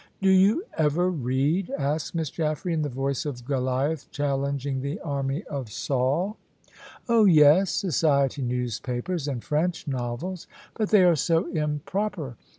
"Do you ever read?" asked Miss Jaffray, in the voice of Goliath challenging the army of Saul. "Oh yes; society newspapers, and French novels." "But they are so improper."